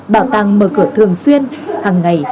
bảo tàng mở cửa thường xuyên hàng ngày